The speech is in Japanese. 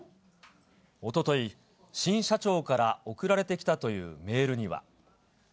おととい、新社長から送られてきたというメールには。